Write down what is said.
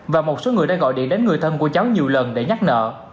và một số người đã gọi điện đến người thân của cháu nhiều lần để nhắc nợ